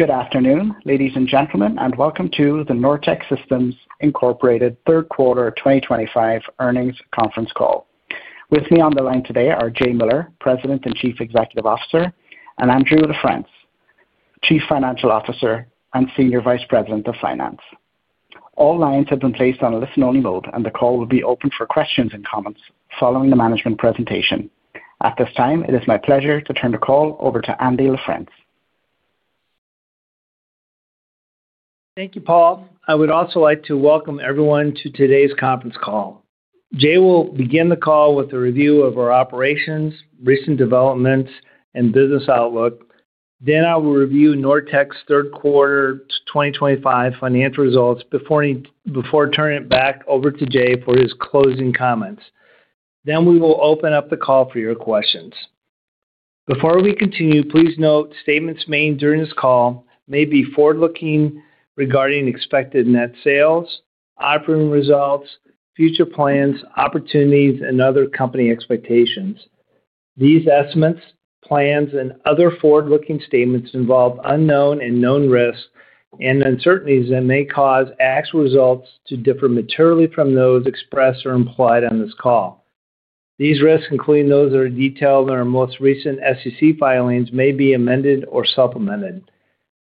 Good afternoon, ladies and gentlemen, and welcome to the Nortech Systems Incorporated third quarter 2025 earnings conference call. With me on the line today are Jay Miller, President and Chief Executive Officer, and Andrew LaFrence, Chief Financial Officer and Senior Vice President of Finance. All lines have been placed on a listen-only mode, and the call will be open for questions and comments following the management presentation. At this time, it is my pleasure to turn the call over to Andy LaFrence. Thank you, Paul. I would also like to welcome everyone to today's conference call. Jay will begin the call with a review of our operations, recent developments, and business outlook. I will review Nortech's third quarter 2025 financial results before turning it back over to Jay for his closing comments. We will open up the call for your questions. Before we continue, please note statements made during this call may be forward-looking regarding expected net sales, operating results, future plans, opportunities, and other company expectations. These estimates, plans, and other forward-looking statements involve unknown and known risks and uncertainties that may cause actual results to differ materially from those expressed or implied on this call. These risks, including those that are detailed in our most recent SEC filings, may be amended or supplemented.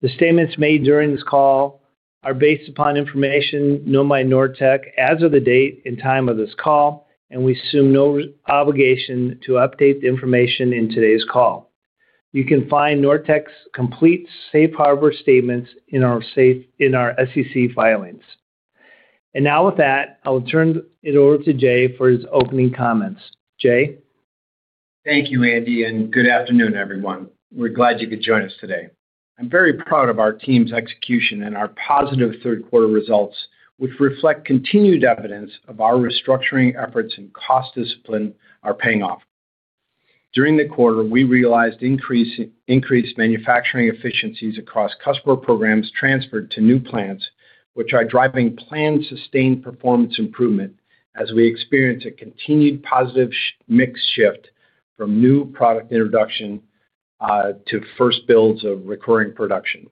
The statements made during this call are based upon information known by Nortech as of the date and time of this call, and we assume no obligation to update the information in today's call. You can find Nortech's complete Safe Harbor statements in our SEC filings. With that, I will turn it over to Jay for his opening comments. Jay? Thank you, Andy, and good afternoon, everyone. We're glad you could join us today. I'm very proud of our team's execution and our positive third quarter results, which reflect continued evidence of our restructuring efforts and cost discipline are paying off. During the quarter, we realized increased manufacturing efficiencies across customer programs transferred to new plants, which are driving planned sustained performance improvement as we experience a continued positive mix shift from new product introduction to first builds of recurring production.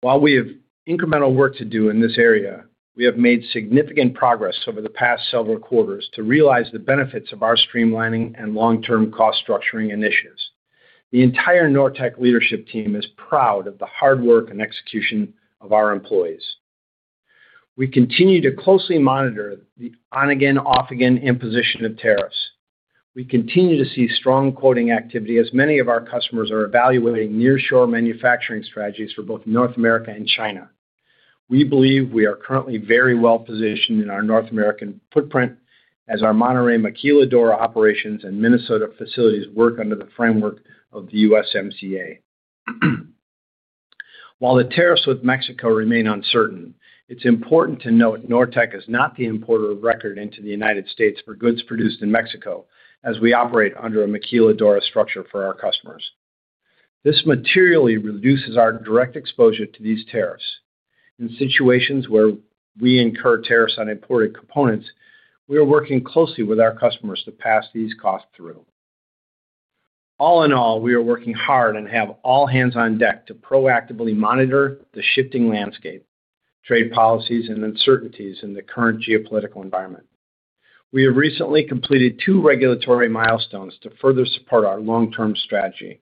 While we have incremental work to do in this area, we have made significant progress over the past several quarters to realize the benefits of our streamlining and long-term cost structuring initiatives. The entire Nortech leadership team is proud of the hard work and execution of our employees. We continue to closely monitor the on-again, off-again imposition of tariffs. We continue to see strong quoting activity as many of our customers are evaluating near-shore manufacturing strategies for both North America and China. We believe we are currently very well positioned in our North American footprint as our Monterrey, Maquiladora operations and Minnesota facilities work under the framework of the USMCA. While the tariffs with Mexico remain uncertain, it's important to note Nortech is not the importer of record into the United States for goods produced in Mexico, as we operate under a Maquiladora structure for our customers. This materially reduces our direct exposure to these tariffs. In situations where we incur tariffs on imported components, we are working closely with our customers to pass these costs through. All in all, we are working hard and have all hands on deck to proactively monitor the shifting landscape, trade policies, and uncertainties in the current geopolitical environment. We have recently completed two regulatory milestones to further support our long-term strategy.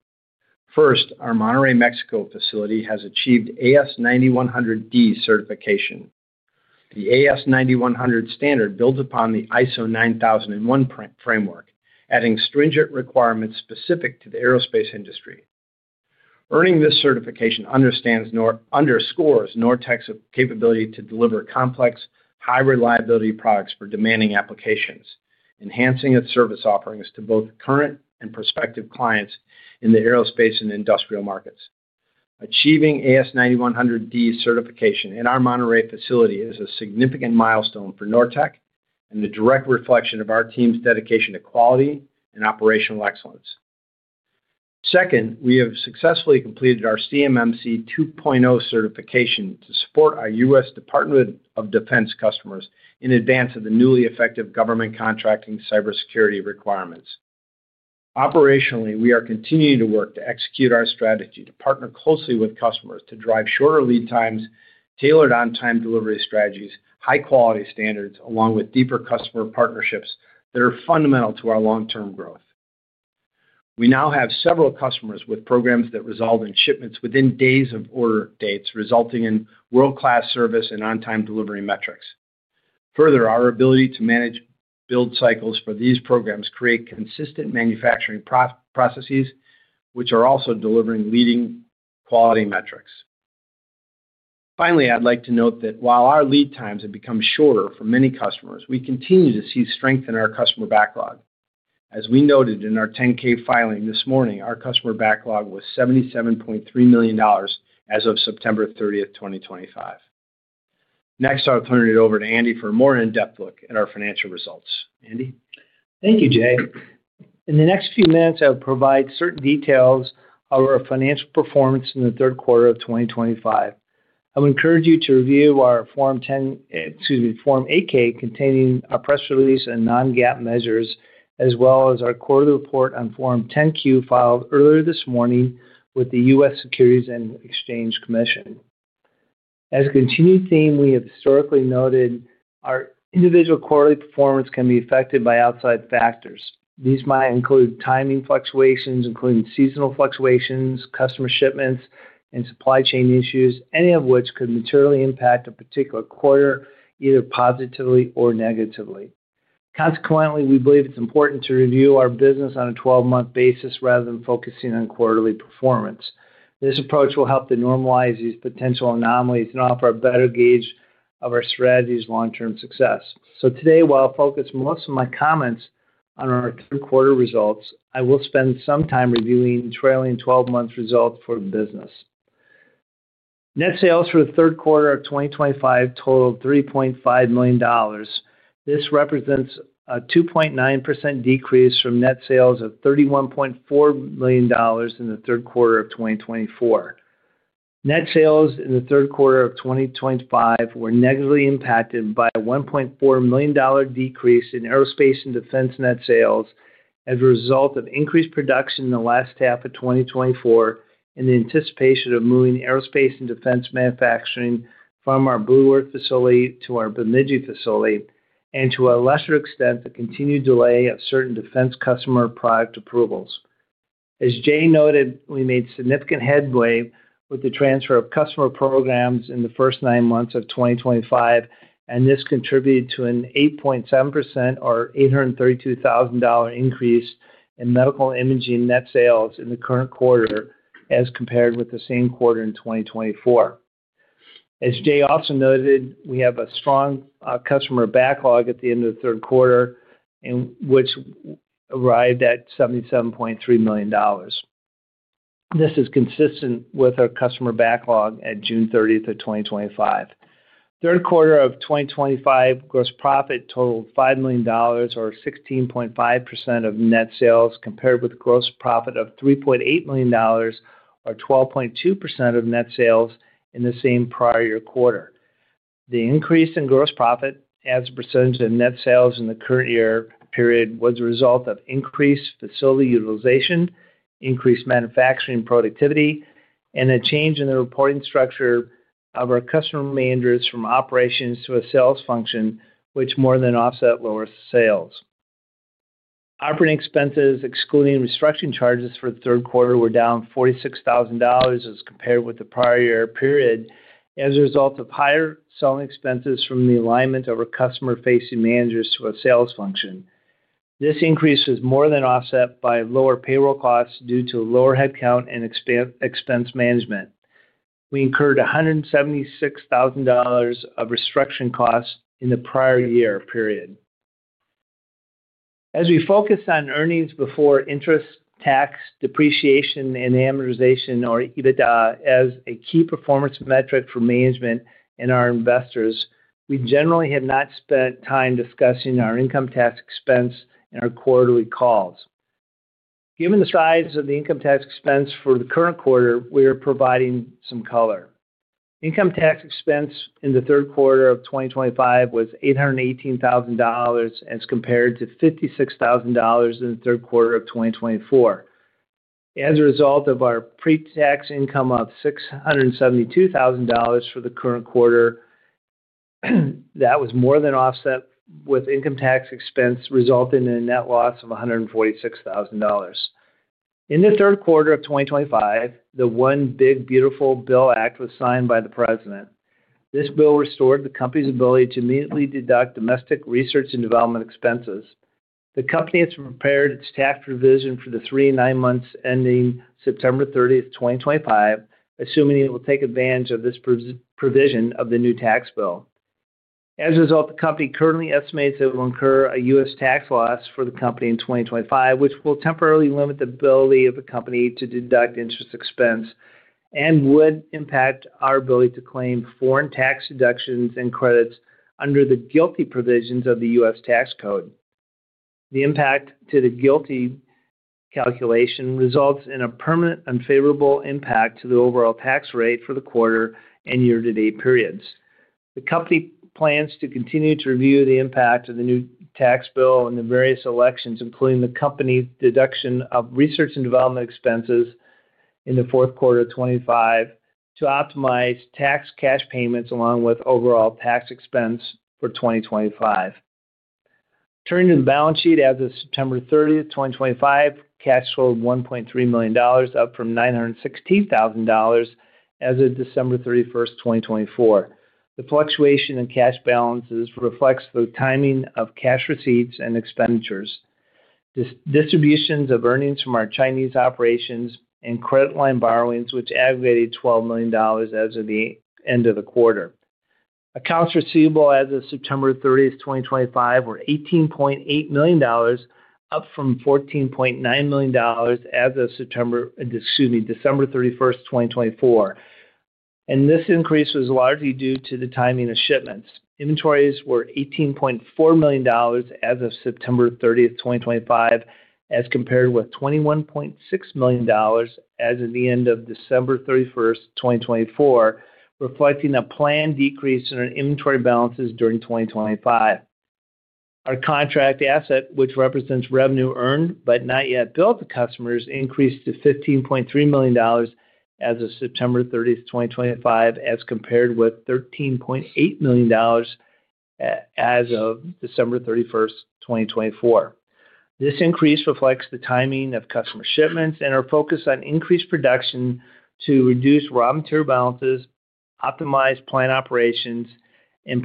First, our Monterrey, Mexico facility has achieved AS9100:D certification. The AS9100 standard builds upon the ISO 9001 framework, adding stringent requirements specific to the aerospace industry. Earning this certification underscores Nortech's capability to deliver complex, high-reliability products for demanding applications, enhancing its service offerings to both current and prospective clients in the aerospace and industrial markets. Achieving AS9100:D certification in our Monterrey facility is a significant milestone for Nortech and a direct reflection of our team's dedication to quality and operational excellence. Second, we have successfully completed our CMMC 2.0 certification to support our U.S. Department of Defense customers in advance of the newly effective government contracting cybersecurity requirements. Operationally, we are continuing to work to execute our strategy to partner closely with customers to drive shorter lead times, tailored on-time delivery strategies, high-quality standards, along with deeper customer partnerships that are fundamental to our long-term growth. We now have several customers with programs that resolve in shipments within days of order dates, resulting in world-class service and on-time delivery metrics. Further, our ability to manage build cycles for these programs creates consistent manufacturing processes, which are also delivering leading quality metrics. Finally, I'd like to note that while our lead times have become shorter for many customers, we continue to see strength in our customer backlog. As we noted in our 10-K filing this morning, our customer backlog was $77.3 million as of September 30th, 2025. Next, I'll turn it over to Andy for a more in-depth look at our financial results. Andy? Thank you, Jay. In the next few minutes, I will provide certain details of our financial performance in the third quarter of 2025. I would encourage you to review our Form 10—excuse me, Form 8-K containing our press release and non-GAAP measures, as well as our quarterly report on Form 10-Q filed earlier this morning with the U.S. Securities and Exchange Commission. As a continued theme, we have historically noted our individual quarterly performance can be affected by outside factors. These might include timing fluctuations, including seasonal fluctuations, customer shipments, and supply chain issues, any of which could materially impact a particular quarter either positively or negatively. Consequently, we believe it's important to review our business on a 12-month basis rather than focusing on quarterly performance. This approach will help to normalize these potential anomalies and offer a better gauge of our strategy's long-term success. Today, while I'll focus most of my comments on our third quarter results, I will spend some time reviewing the trailing 12-month results for the business. Net sales for the third quarter of 2025 totaled $3.5 million. This represents a 2.9% decrease from net sales of $31.4 million in the third quarter of 2024. Net sales in the third quarter of 2025 were negatively impacted by a $1.4 million decrease in aerospace and defense net sales as a result of increased production in the last half of 2024 in the anticipation of moving aerospace and defense manufacturing from our Bemidji facility and, to a lesser extent, the continued delay of certain defense customer product approvals. As Jay noted, we made significant headway with the transfer of customer programs in the first nine months of 2025, and this contributed to an 8.7% or $832,000 increase in medical imaging net sales in the current quarter as compared with the same quarter in 2024. As Jay also noted, we have a strong customer backlog at the end of the third quarter, which arrived at $77.3 million. This is consistent with our customer backlog at June 30th of 2025. Third quarter of 2025 gross profit totaled $5 million or 16.5% of net sales compared with gross profit of $3.8 million or 12.2% of net sales in the same prior year quarter. The increase in gross profit as a percentage of net sales in the current year period was the result of increased facility utilization, increased manufacturing productivity, and a change in the reporting structure of our customer remainders from operations to a sales function, which more than offset lower sales. Operating expenses, excluding restructuring charges for the third quarter, were down $46,000 as compared with the prior year period as a result of higher selling expenses from the alignment of our customer-facing managers to a sales function. This increase was more than offset by lower payroll costs due to lower headcount and expense management. We incurred $176,000 of restructuring costs in the prior year period. As we focus on earnings before interest, tax, depreciation, and amortization, or EBITDA, as a key performance metric for management and our investors, we generally have not spent time discussing our income tax expense in our quarterly calls. Given the size of the income tax expense for the current quarter, we are providing some color. Income tax expense in the third quarter of 2025 was $818,000 as compared to $56,000 in the third quarter of 2024. As a result of our pre-tax income of $672,000 for the current quarter, that was more than offset with income tax expense resulting in a net loss of $146,000. In the third quarter of 2025, the one big beautiful bill act was signed by the president. This bill restored the company's ability to immediately deduct domestic research and development expenses. The company has prepared its tax provision for the three nine months ending September 30th, 2025, assuming it will take advantage of this provision of the new tax bill. As a result, the company currently estimates it will incur a U.S. tax loss for the company in 2025, which will temporarily limit the ability of the company to deduct interest expense and would impact our ability to claim foreign tax deductions and credits under the GILTI provisions of the U.S. tax code. The impact to the GILTI calculation results in a permanent unfavorable impact to the overall tax rate for the quarter and year-to-date periods. The company plans to continue to review the impact of the new tax bill and the various elections, including the company's deduction of research and development expenses in the fourth quarter of 2025, to optimize tax cash payments along with overall tax expense for 2025. Turning to the balance sheet, as of September 30th, 2025, cash flowed $1.3 million, up from $916,000 as of December 31st, 2024. The fluctuation in cash balances reflects the timing of cash receipts and expenditures, distributions of earnings from our Chinese operations, and credit line borrowings, which aggregated $12 million as of the end of the quarter. Accounts receivable as of September 30th, 2025, were $18.8 million, up from $14.9 million as of December 31st, 2024. This increase was largely due to the timing of shipments. Inventories were $18.4 million as of September 30th, 2025, as compared with $21.6 million as of the end of December 31st, 2024, reflecting a planned decrease in our inventory balances during 2025. Our contract asset, which represents revenue earned but not yet billed to customers, increased to $15.3 million as of September 30th, 2025, as compared with $13.8 million as of December 31st, 2024. This increase reflects the timing of customer shipments and our focus on increased production to reduce raw material balances, optimize plant operations, and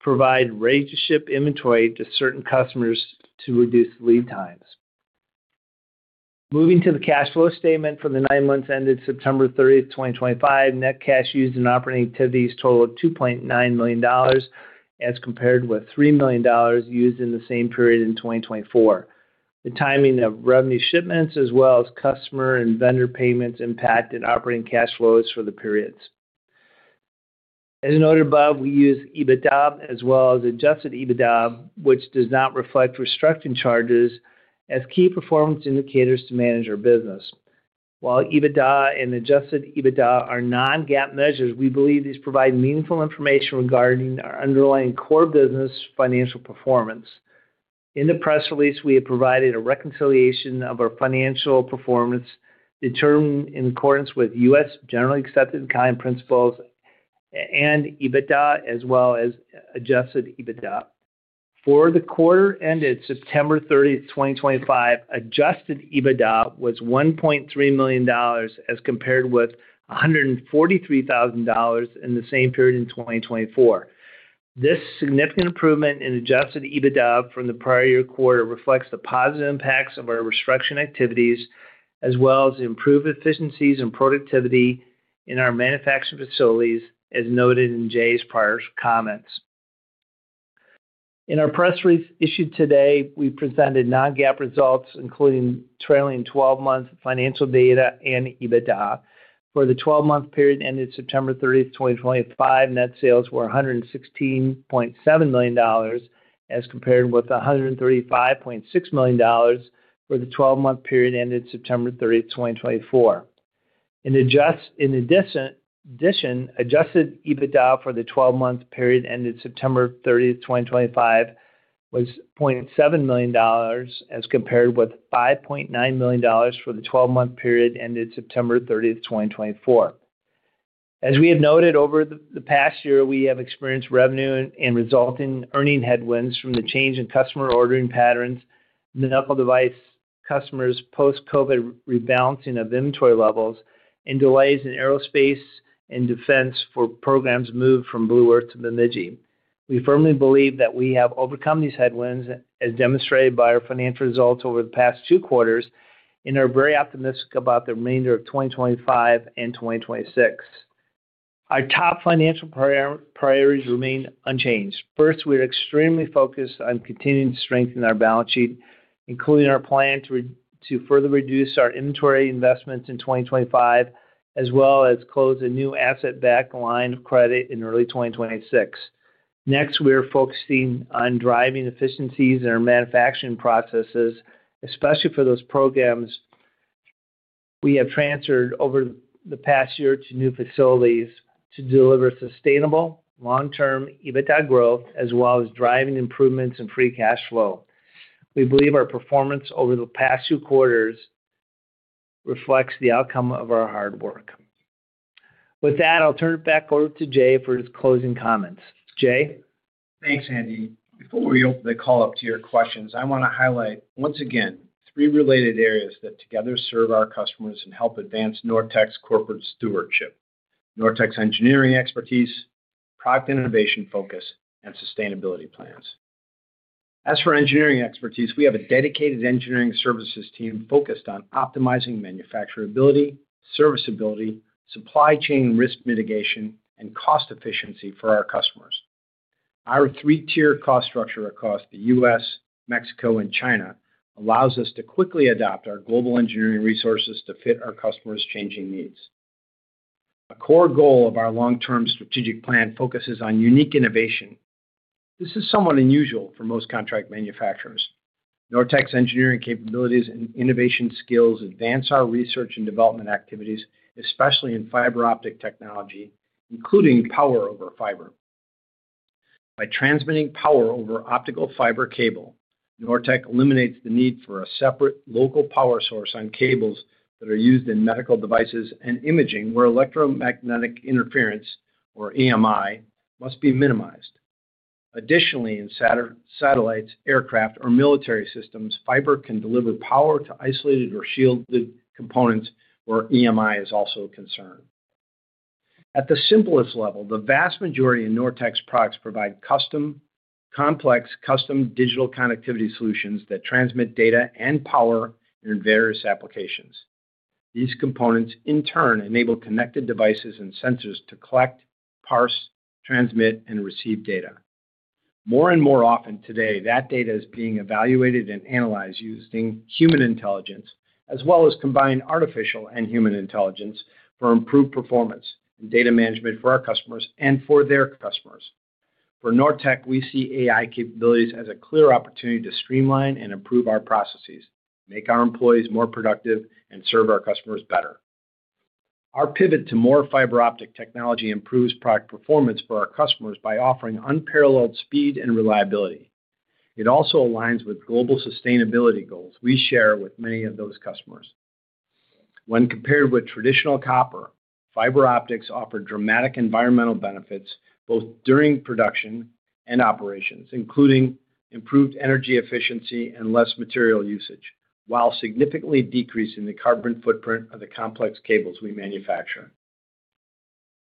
provide ready-to-ship inventory to certain customers to reduce lead times. Moving to the cash flow statement for the nine months ended September 30th, 2025, net cash used in operating activities totaled $2.9 million as compared with $3 million used in the same period in 2024. The timing of revenue shipments, as well as customer and vendor payments, impacted operating cash flows for the periods. As noted above, we use EBITDA as well as adjusted EBITDA, which does not reflect restructuring charges as key performance indicators to manage our business. While EBITDA and adjusted EBITDA are non-GAAP measures, we believe these provide meaningful information regarding our underlying core business financial performance. In the press release, we have provided a reconciliation of our financial performance determined in accordance with U.S. generally accepted accounting principles and EBITDA, as well as adjusted EBITDA. For the quarter ended September 30th, 2025, adjusted EBITDA was $1.3 million as compared with $143,000 in the same period in 2024. This significant improvement in adjusted EBITDA from the prior year quarter reflects the positive impacts of our restructuring activities, as well as improved efficiencies and productivity in our manufacturing facilities, as noted in Jay's prior comments. In our press release issued today, we presented non-GAAP results, including trailing 12-month financial data and EBITDA. For the 12-month period ended September 30th, 2025, net sales were $116.7 million as compared with $135.6 million for the 12-month period ended September 30th, 2024. In addition, adjusted EBITDA for the 12-month period ended September 30th, 2025, was $0.7 million as compared with $5.9 million for the 12-month period ended September 30th, 2024. As we have noted, over the past year, we have experienced revenue and resulting earning headwinds from the change in customer ordering patterns, medical device customers' post-COVID rebalancing of inventory levels, and delays in aerospace and defense for programs moved from Blue Earth to Bemidji. We firmly believe that we have overcome these headwinds, as demonstrated by our financial results over the past two quarters, and are very optimistic about the remainder of 2025 and 2026. Our top financial priorities remain unchanged. First, we are extremely focused on continuing to strengthen our balance sheet, including our plan to further reduce our inventory investments in 2025, as well as close a new asset-backed line of credit in early 2026. Next, we are focusing on driving efficiencies in our manufacturing processes, especially for those programs we have transferred over the past year to new facilities to deliver sustainable long-term EBITDA growth, as well as driving improvements in free cash flow. We believe our performance over the past two quarters reflects the outcome of our hard work. With that, I'll turn it back over to Jay for his closing comments. Jay? Thanks, Andy. Before we open the call up to your questions, I want to highlight once again three related areas that together serve our customers and help advance Nortech's corporate stewardship: Nortech's engineering expertise, product innovation focus, and sustainability plans. As for engineering expertise, we have a dedicated engineering services team focused on optimizing manufacturability, serviceability, supply chain risk mitigation, and cost efficiency for our customers. Our three-tier cost structure across the U.S., Mexico, and China allows us to quickly adapt our global engineering resources to fit our customers' changing needs. A core goal of our long-term strategic plan focuses on unique innovation. This is somewhat unusual for most contract manufacturers. Nortech's engineering capabilities and innovation skills advance our research and development activities, especially in fiber optic technology, including power over fiber. By transmitting power over optical fiber cable, Nortech eliminates the need for a separate local power source on cables that are used in medical devices and imaging where electromagnetic interference, or EMI, must be minimized. Additionally, in satellites, aircraft, or military systems, fiber can deliver power to isolated or shielded components, where EMI is also a concern. At the simplest level, the vast majority of Nortech's products provide complex custom digital connectivity solutions that transmit data and power in various applications. These components, in turn, enable connected devices and sensors to collect, parse, transmit, and receive data. More and more often today, that data is being evaluated and analyzed using human intelligence, as well as combined artificial and human intelligence, for improved performance and data management for our customers and for their customers. For Nortech, we see AI capabilities as a clear opportunity to streamline and improve our processes, make our employees more productive, and serve our customers better. Our pivot to more fiber optic technology improves product performance for our customers by offering unparalleled speed and reliability. It also aligns with global sustainability goals we share with many of those customers. When compared with traditional copper, fiber optics offer dramatic environmental benefits both during production and operations, including improved energy efficiency and less material usage, while significantly decreasing the carbon footprint of the complex cables we manufacture.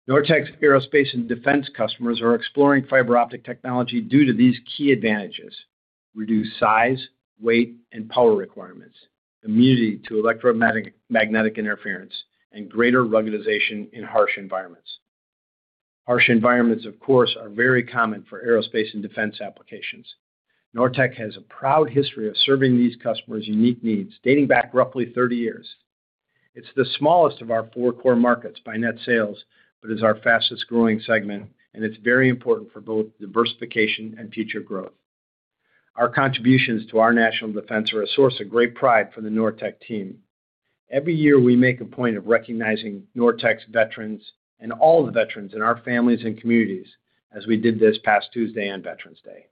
Nortech's aerospace and defense customers are exploring fiber optic technology due to these key advantages: reduced size, weight, and power requirements, immunity to electromagnetic interference, and greater ruggedization in harsh environments. Harsh environments, of course, are very common for aerospace and defense applications. Nortech has a proud history of serving these customers' unique needs dating back roughly 30 years. It is the smallest of our four core markets by net sales, but is our fastest-growing segment, and it is very important for both diversification and future growth. Our contributions to our national defense are a source of great pride for the Nortech team. Every year, we make a point of recognizing Nortech's veterans and all the veterans in our families and communities, as we did this past Tuesday on Veterans Day.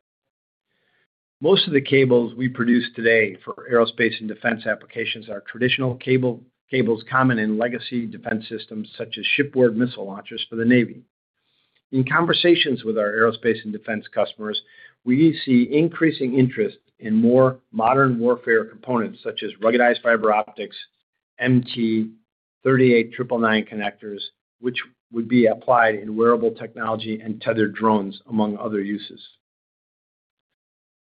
Most of the cables we produce today for aerospace and defense applications are traditional cables common in legacy defense systems such as shipboard missile launchers for the Navy. In conversations with our aerospace and defense customers, we see increasing interest in more modern warfare components such as ruggedized fiber optics, MT38999 connectors, which would be applied in wearable technology, and tethered drones, among other uses.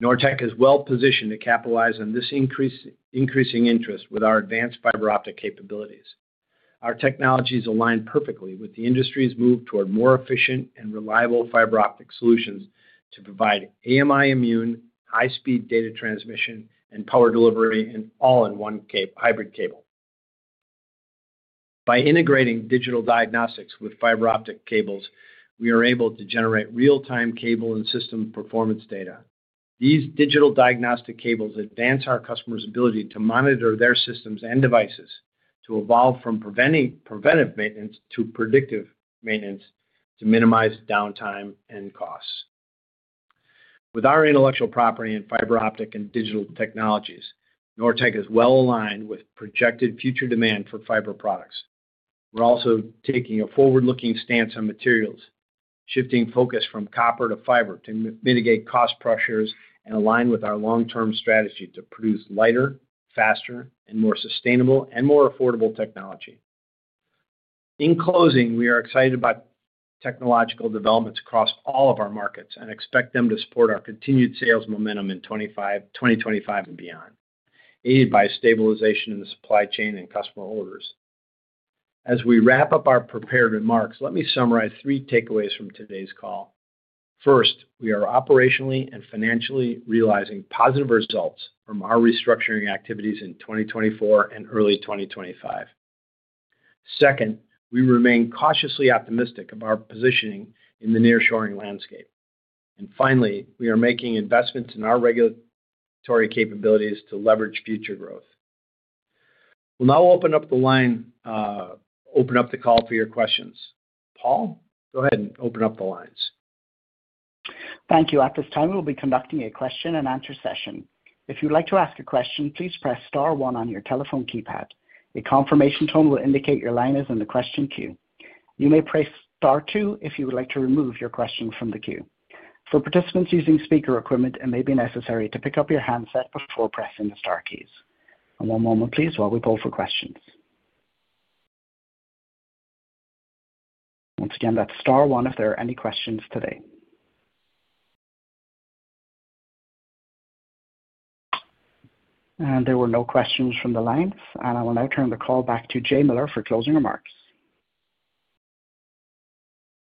Nortech is well positioned to capitalize on this increasing interest with our advanced fiber optic capabilities. Our technologies align perfectly with the industry's move toward more efficient and reliable fiber optic solutions to provide EMI-immune high-speed data transmission and power delivery in all-in-one hybrid cable. By integrating digital diagnostics with fiber optic cables, we are able to generate real-time cable and system performance data. These digital diagnostic cables advance our customers' ability to monitor their systems and devices to evolve from preventive maintenance to predictive maintenance to minimize downtime and costs. With our intellectual property in fiber optic and digital technologies, Nortech is well aligned with projected future demand for fiber products. We're also taking a forward-looking stance on materials, shifting focus from copper to fiber to mitigate cost pressures and align with our long-term strategy to produce lighter, faster, more sustainable, and more affordable technology. In closing, we are excited about technological developments across all of our markets and expect them to support our continued sales momentum in 2025 and beyond, aided by stabilization in the supply chain and customer orders. As we wrap up our prepared remarks, let me summarize three takeaways from today's call. First, we are operationally and financially realizing positive results from our restructuring activities in 2024 and early 2025. Second, we remain cautiously optimistic about our positioning in the nearshoring landscape. Finally, we are making investments in our regulatory capabilities to leverage future growth. We'll now open up the call for your questions. Paul, go ahead and open up the lines. Thank you. At this time, we'll be conducting a question-and-answer session. If you'd like to ask a question, please press star one on your telephone keypad. A confirmation tone will indicate your line is in the question queue. You may press star two if you would like to remove your question from the queue. For participants using speaker equipment, it may be necessary to pick up your handset before pressing the star keys. One moment, please, while we pull for questions. Once again, that's star one if there are any questions today. There were no questions from the line. I will now turn the call back to Jay Miller for closing remarks.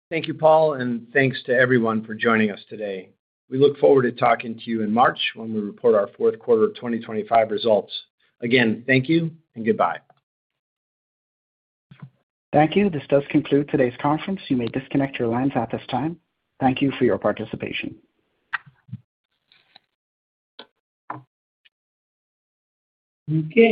Thank you, Paul, and thanks to everyone for joining us today. We look forward to talking to you in March when we report our fourth quarter 2025 results. Again, thank you and goodbye. Thank you. This does conclude today's conference. You may disconnect your lines at this time. Thank you for your participation. Okay.